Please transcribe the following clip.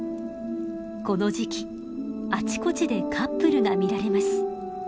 この時期あちこちでカップルが見られます。